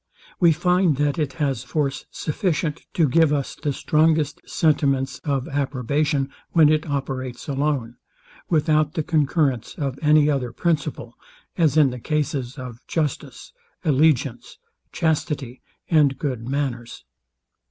We find, that it has force sufficient to give us the strongest sentiments of approbation, when it operates alone, without the concurrence of any other principle; as in the cases of justice, allegiance, chastity, and good manners.